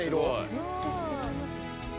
全然違いますね。